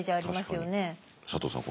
佐藤さん